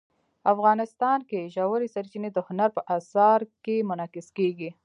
افغانستان کې ژورې سرچینې د هنر په اثار کې منعکس کېږي.